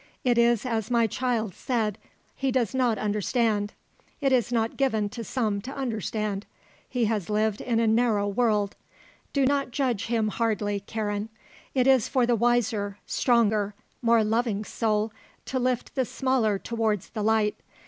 It is as my child said; he does not understand. It is not given to some to understand. He has lived in a narrow world. Do not judge him hardly, Karen; it is for the wiser, stronger, more loving soul to lift the smaller towards the light.